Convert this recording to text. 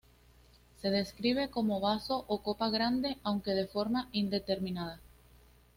Se describe como vaso o copa grande, aunque de forma indeterminada.